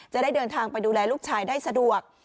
จะได้เดินทางไปดูแลลูกชายได้สะดวก